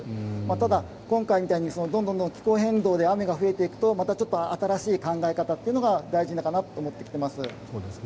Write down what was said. ただ、今回みたいにどんどん気候変動で雨が増えていくとまた新しい考え方というのが大事なのかなと思ってきています。